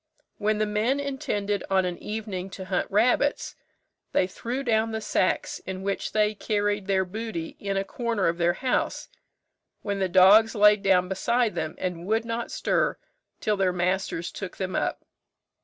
When the men intended on an evening to hunt rabbits, they threw down the sacks in which they carried their booty in a corner of their house, when the dogs lay down beside them, and would not stir till their masters took them up.